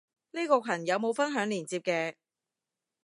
呢個羣有冇分享連接嘅？